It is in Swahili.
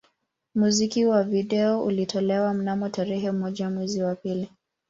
Muziki wa video ulitolewa mnamo tarehe moja mwezi wa pili